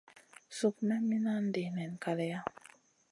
Suk me minandi nen kaleya.